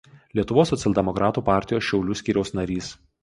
Lietuvos socialdemokratų partijos Šiaulių skyriaus narys.